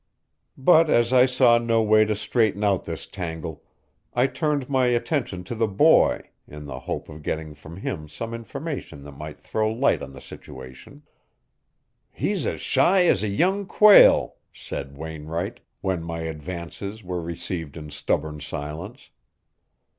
But as I saw no way to straighten out this tangle, I turned my attention to the boy in the hope of getting from him some information that might throw light on the situation. "He's as shy as a young quail," said Wainwright, when my advances were received in stubborn silence.